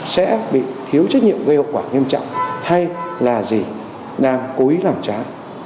sẽ bị thiếu trách nhiệm gây hậu quả nghiêm trọng hay là gì đang cố ý làm trái